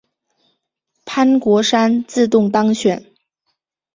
潘国山自动当选。